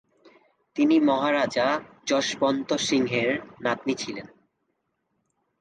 তিনি মহারাজা যশবন্ত সিংয়ের নাতনি ছিলেন।